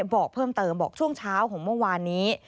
บอกเพิ่มเติมบอกช่วงเช้าของเมื่อวานนี้